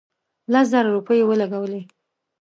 لس زره روپۍ ولګولې.